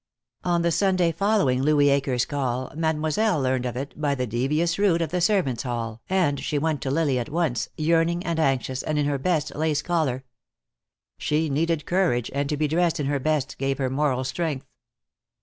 On the Sunday following Louis Akers' call Mademoiselle learned of it, by the devious route of the servants' hall, and she went to Lily at once, yearning and anxious, and in her best lace collar. She needed courage, and to be dressed in her best gave her moral strength.